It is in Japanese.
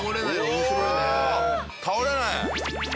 倒れない！